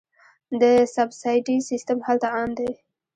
د سبسایډي سیستم هلته عام دی.